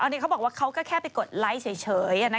อันนี้เขาบอกว่าเขาก็แค่ไปกดไลค์เฉย